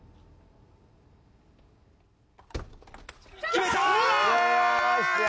決めた！